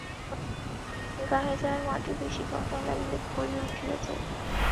গায়ে যাহার মাটি বেশি, ঘষা লাগিলেই খড়ি উঠিয়া যায়।